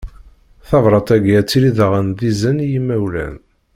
Tabrat-agi ad tili daɣen d izen i yimawlan.